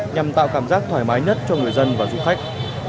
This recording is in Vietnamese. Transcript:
nhằm tạo cảm giác thoải mái nhất cho người dân và du khách